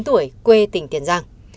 hai mươi chín tuổi quê tỉnh tiền giang